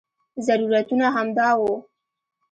ضرورتونه همدا وو.